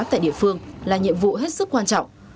tại địa phương là nhiệm vụ hết sức quan trọng